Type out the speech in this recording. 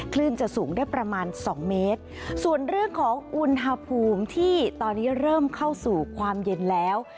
คลื่นจะสูงได้ประมาณสองเมตรส่วนเรื่องของอุณหภูมิที่ตอนนี้เริ่มเข้าสู่ความเย็นแล้ว